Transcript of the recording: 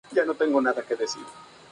Es el territorio de la tribu Enea.